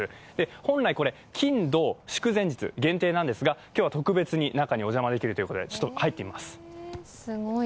本来これ、金土祝日限定なんですが、今日は特別に中にお邪魔できるということで入ってみます。